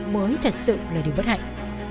mới thật sự là điều bất hạnh